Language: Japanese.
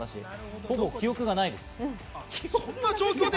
ほぼ記憶ないです。